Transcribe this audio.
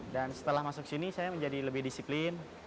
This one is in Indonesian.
dan setelah masuk sini saya menjadi lebih disiplin